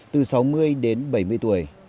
từ sáu mươi đến bảy mươi tuổi